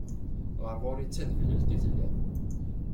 Ɣer ɣur-i d taneblalt i telliḍ.